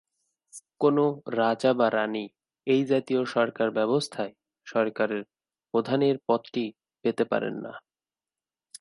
কোনো রাজা বা রানি এই জাতীয় সরকার ব্যবস্থায় সরকার প্রধানের পদটি পেতে পারেন না।